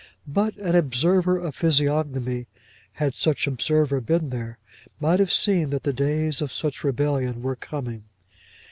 But an observer of physiognomy, had such observer been there, might have seen that the days of such rebellion were coming.